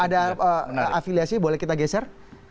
ada afiliasi boleh kita geser